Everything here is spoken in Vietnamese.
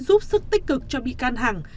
giúp sức tích cực cho bị can hằng